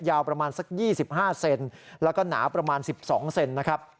ยาวประมาณสัก๒๕เซนติเมตรและหนาประมาณ๑๒เซนติเมตรนะครับ